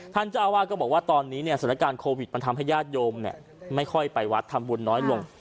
ท่านเจ้าอาวาสก็บอกว่าตอนนี้เนี่ยสถานการณ์โควิดมันทำให้ญาติโยมไม่ค่อยไปวัดทำบุญน้อยลง